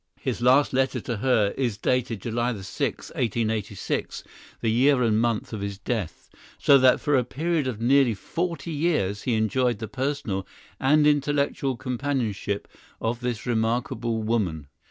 His last letter to her is dated July 6, 1886, the year and month of his death, so that for a period of nearly forty years he enjoyed the personal and intellectual companionship of this remarkable woman.